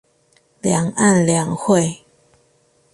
兩岸兩會